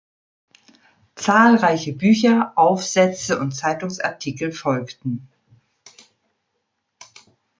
Zahlreiche Bücher, Aufsätze und Zeitungsartikel folgten.